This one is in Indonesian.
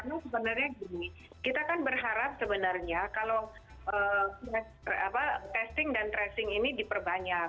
karena sebenarnya gini kita kan berharap sebenarnya kalau testing dan tracing ini diperbanyak